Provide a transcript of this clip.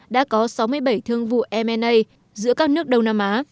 đã có sáu mươi bảy thương vụ m a giữa các nước đông nam á